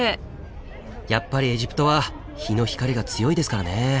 やっぱりエジプトは日の光が強いですからね。